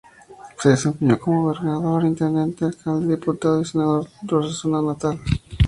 Se desempeñó como gobernador, intendente, alcalde, diputado y senador por su zona natal.